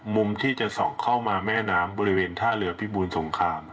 มุมที่จะส่องเข้ามาแม่น้ำบริเวณท่าเรือพิบูรสงคราม